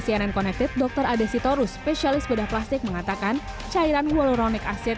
penyuntikan konektif dokter adesitorus spesialis bedah plastik mengatakan cairan waloronik aset